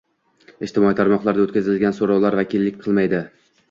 Ijtimoiy tarmoqlarda o'tkazilgan so'rovlar vakillik qilmaydi